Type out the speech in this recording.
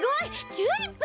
チューリップ！